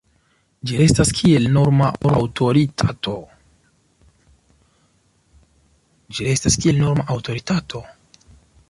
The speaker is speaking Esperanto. Ĝi restas kiel norma aŭtoritato.